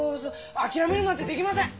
諦めるなんてできません！